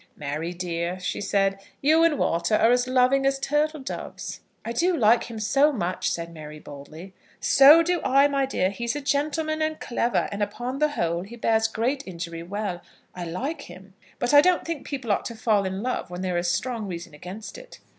"Mary, dear," she said, "you and Walter are as loving as turtle doves." "I do like him so much," said Mary, boldly. "So do I, my dear. He is a gentleman, and clever, and, upon the whole, he bears a great injury well. I like him. But I don't think people ought to fall in love when there is a strong reason against it."